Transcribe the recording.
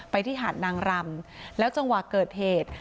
ที่หาดนางรำแล้วจังหวะเกิดเหตุ